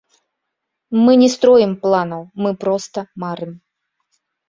Мы не строім планаў, мы проста марым.